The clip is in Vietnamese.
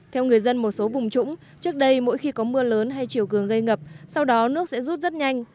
theo người dân một số vùng trũng trước đây mỗi khi có mưa lớn hay chiều cường gây ngập sau đó nước sẽ rút rất nhanh